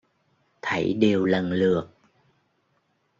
Thảy đều lần lượt